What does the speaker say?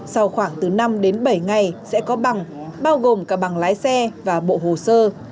sau khoảng từ năm đến bảy ngày sẽ có bằng bao gồm cả bằng lái xe và bộ hồ sơ